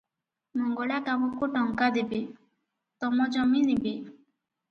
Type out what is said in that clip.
ମଙ୍ଗଳା କାମକୁ ଟଙ୍କା ଦେବେ; ତମ ଜମି ନେବେ?